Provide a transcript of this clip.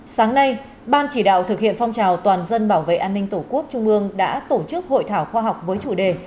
sáng nay ban chỉ đạo thực hiện phong trào toàn dân bảo vệ an ninh tổ quốc trung ương đã tổ chức hội thảo khoa học với chủ đề